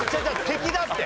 敵だって。